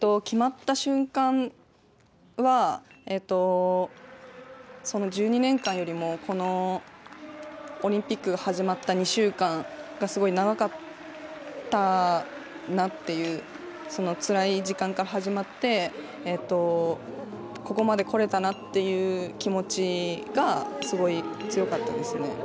決まった瞬間はその１２年間よりもこのオリンピックが始まった２週間がすごい長かったなっていうそのつらい時間から始まってここまでこれたなっていう気持ちがすごい強かったんですね。